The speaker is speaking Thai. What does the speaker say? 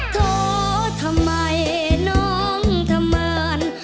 โทษทำไมน้องทะเมิน